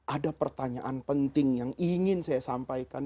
ada pertanyaan penting yang ingin saya sampaikan